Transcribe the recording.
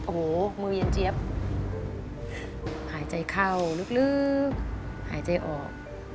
โอ้โหมือเย็นเจี๊ยบหายใจเข้าลึกหายใจออก